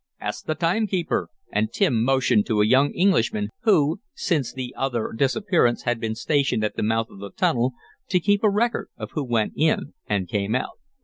"Ask th' time keeper," and Tim motioned to a young Englishman who, since the other disappearance, had been stationed at the mouth of the tunnel to keep a record of who went in and came out.